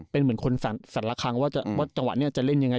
เป็นเหมือนคนสัตว์ละครั้งว่าจังหวะนี้จะเล่นยังไง